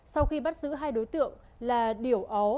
sau khi bắt giữ hai đối tượng là điểu ó